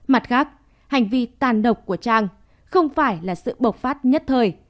mặt khác hành vi tàn độc của trang không phải là sự bộc phát nhất thời